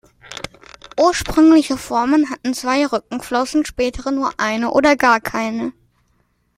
Ursprüngliche Formen hatten zwei Rückenflossen, spätere nur eine oder gar keine.